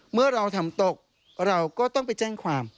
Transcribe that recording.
เมื่อเราทำตกเราก็ต้องไปแจ้งความ